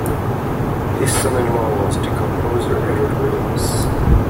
His son in law was the composer Edward Williams.